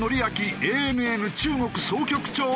ＡＮＮ中国総局長に聞く。